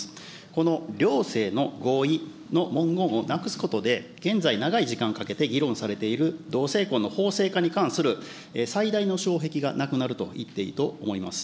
この両性の合意の文言をなくすことで、現在長い時間かけて議論されている同性婚の法制化に関する最大の障壁がなくなると言っていいと思います。